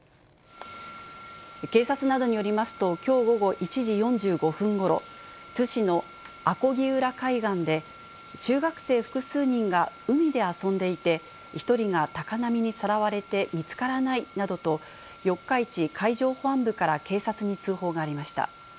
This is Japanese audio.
警察などによりますと、きょう午後１時４５分ごろ、津市の阿漕浦海岸で、中学生複数人が海で遊んでいて、１人が高波にさらわれて見つからないなどと、四日市海上保安部から警察に通報がありました。